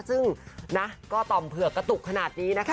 ซึ่งนะก็ต่อมเผือกกระตุกขนาดนี้นะคะ